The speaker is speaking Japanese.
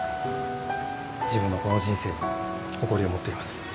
自分のこの人生に誇りを持っています。